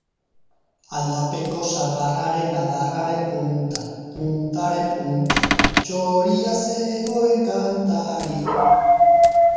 Aldapeko sagarraren adarraren puntan, puntaren puntan, txoria zegoen kantari.